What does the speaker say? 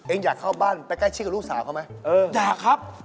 เอ็งอยากเข้าบ้านไปใกล้ชิคกับลูกสาวเขาไหม